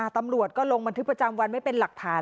ตำรวจก็ลงบันทึกประจำวันไว้เป็นหลักฐาน